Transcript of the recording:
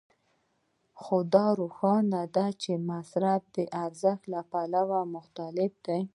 خو دا روښانه ده چې مصرف د ارزښت له پلوه مختلف دی